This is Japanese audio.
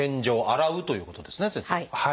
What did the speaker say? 洗うということですね先生。